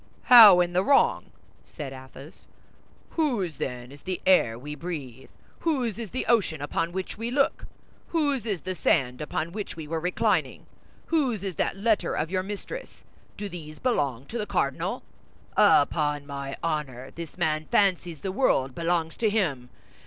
"How, in the wrong?" said Athos. "Whose, then, is the air we breathe? Whose is the ocean upon which we look? Whose is the sand upon which we were reclining? Whose is that letter of your mistress? Do these belong to the cardinal? Upon my honor, this man fancies the world belongs to him.